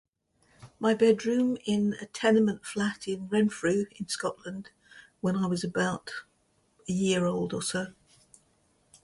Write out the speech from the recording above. My bedroom in a tenement flat in Renfrew in Scotland, when I was about a year old or so.